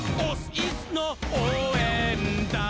イスのおうえんだん！」